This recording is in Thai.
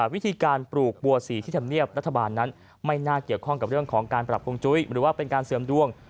วิธีการปลูกบัวสีที่ทำเนียบรัฐบาลนั้นไม่น่าเกี่ยวข้องกับเรื่องของการปรับฮวงจุ้ยหรือว่าเป็นการเสริมดวง